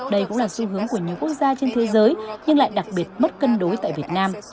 đây cũng là xu hướng của nhiều quốc gia trên thế giới nhưng lại đặc biệt mất cân đối tại việt nam